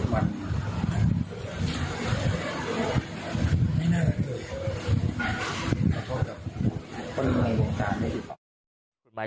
ไม่น่ากลักษณะเกิดบทราบพบทกษา